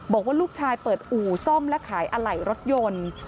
บอกว่าลูกชายเปิดอู่ซ่อมและขายอะไหล่รถยนต์